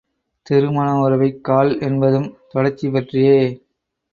திருமணவுறவைக் கால் என்பதும் தொடர்ச்சி பற்றியே.